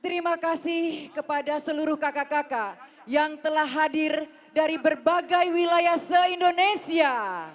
terima kasih kepada seluruh kakak kakak yang telah hadir dari berbagai wilayah se indonesia